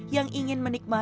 yang ingin menikmati